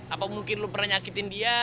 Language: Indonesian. apa mungkin lu pernah nyakitin dia